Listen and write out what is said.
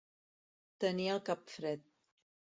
Tenir el cap fred.